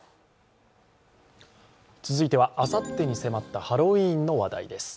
続いてはあさってに迫ったハロウィーンの話題です。